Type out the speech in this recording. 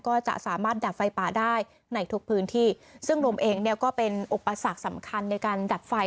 ก็จะสามารถดับไฟป่าได้ในทุกพื้นที่ซึ่งรวมเองเนี่ยก็เป็นอุปสรรคสำคัญในการดับไฟ